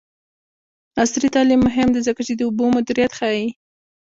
عصري تعلیم مهم دی ځکه چې د اوبو مدیریت ښيي.